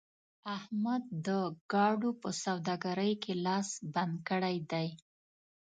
احمد د ګاډو په سوداګرۍ کې لاس بند کړی دی.